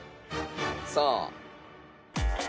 さあ。